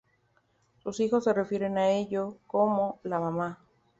Sus hijos se refieren a ella como ""la mama"".